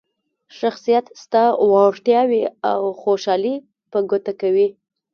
شخصیت ستا وړتیاوې او خوشحالي په ګوته کوي.